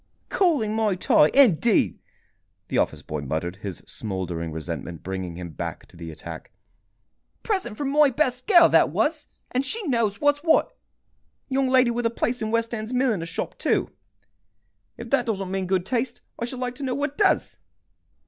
"Calling my tie, indeed!" the office boy muttered, his smouldering resentment bringing him back to the attack. "Present from my best girl, that was, and she knows what's what. Young lady with a place in a west end milliner's shop, too. If that doesn't mean good taste, I should like to know what does.